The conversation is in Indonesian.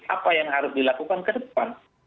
apa yang harus dilakukan ke depan